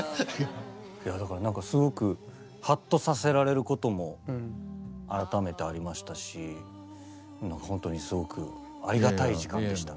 すごくはっとさせられることも改めてありましたしほんとにすごくありがたい時間でした。